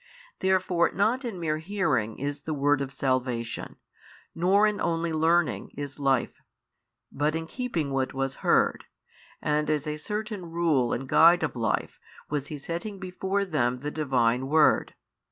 Therefore not in mere hearing is the word of salvation, nor in only learning is life, but in keeping what was heard, and as a certain rule and guide of life was He setting before [them] the Divine word.